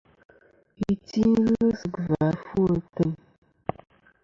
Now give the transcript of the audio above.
Iti ghɨ sɨ gvà ɨfwo ateyn.